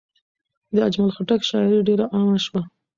د اجمل خټک شاعري ډېر عامه شوه.